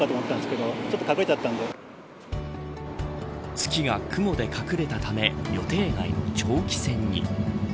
月が雲で隠れたため予定外の長期戦に。